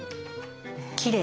きれい。